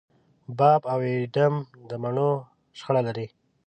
باب او اېډم د مڼو شخړه لري.